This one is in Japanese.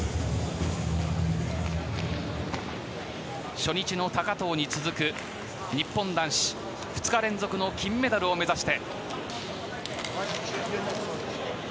初日の高藤に続く日本男子２日連続の金メダルを目指して。